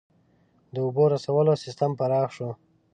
• د اوبو رسولو سیستم پراخ شو.